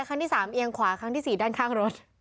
ครั้งที่๓เอียงขวาครั้งที่๔ด้านข้างรถ